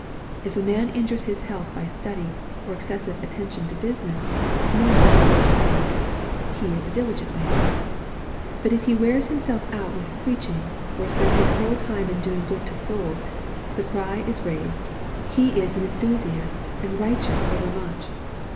If a man injures his health by study, or excessive attention to business, no fault is found : ."He is a diligent man." But if he wears himself out with preaching, or spends his whole time in doing good to souls, the cry is raised, " He is an enthusiast and righteous over much."